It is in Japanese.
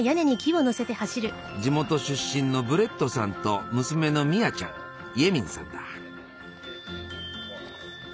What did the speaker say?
地元出身のブレットさんと娘のミアちゃんイェミンさんだ。